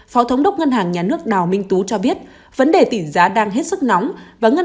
phó thống đốc ngân hàng nhà nước đào minh tú cho biết vấn đề tỷ giá đang hết sức nóng và ngân